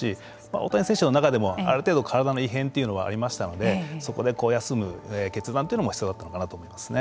大谷選手の中でもある程度体の異変はありましたのでそこで休む決断というのも必要だったのかなと思いますね。